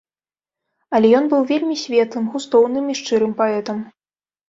Але ён быў вельмі светлым, густоўным і шчырым паэтам.